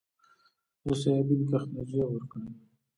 د سویابین کښت نتیجه ورکړې